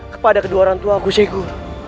kepada kedua orangtuaku